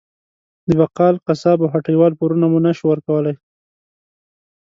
د بقال، قصاب او هټۍ وال پورونه مو نه شو ورکولی.